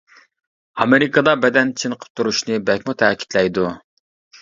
ئامېرىكىدا بەدەن چېنىقىپ تۇرۇشنى بەكمۇ تەكىتلەيدۇ.